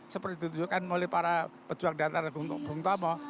seperti ditunjukkan oleh para pejuang daerah bung tomau